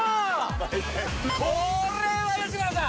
毎回これは吉村さん！